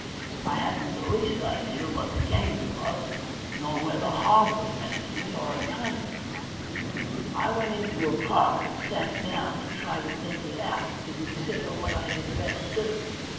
I hadn't the least idea what the game was, nor whether harm was meant me or a kindness. I went into a park, and sat down to try to think it out, and to consider what I had best do.